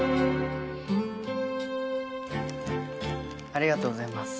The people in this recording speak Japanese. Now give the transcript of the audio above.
ありがとうございます。